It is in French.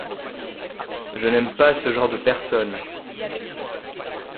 Je n’aime pas ce genre de personnes.